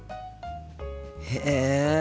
へえ。